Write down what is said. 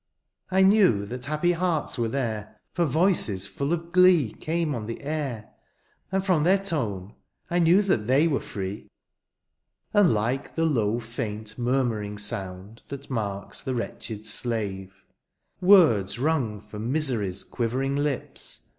I knew that happy hearts were there^ For voices fall of glee Came on the air^ and from their tone I knew that they were free ; Unlike the low faint murmuring soimd^ That marks the wretched slave^ Words wrung from misery's quivering lips.